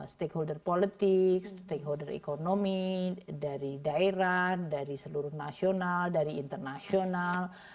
stakeholder politik stakeholder ekonomi dari daerah dari seluruh nasional dari internasional